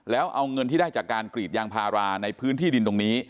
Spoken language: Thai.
แล้วเอาเงินที่ได้จากการกรีดยางพาราในพื้นที่ดินตรงนี้